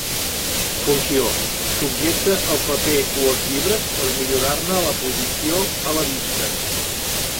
Funció: subjecta el paper o els llibres per millorar-ne la posició a la vista.